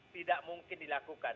tidak mungkin dilakukan